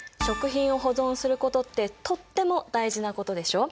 食品を保存することってとっても大事なことでしょ。